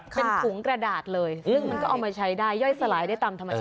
เป็นถุงกระดาษเลยซึ่งมันก็เอามาใช้ได้ย่อยสลายได้ตามธรรมชาติ